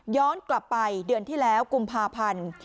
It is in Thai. กลับไปเดือนที่แล้วกุมภาพันธ์